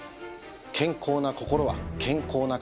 健康な心は健康な体から。